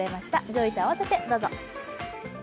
上位と合わせて、どうぞ。